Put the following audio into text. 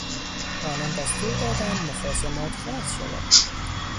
آنان دستور دادند مخاصمات قطع شود.